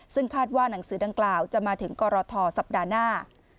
ซึ่งคาดว่าหนังสือดังกล่าวจะมาถึงกรทสัปดาห์หน้า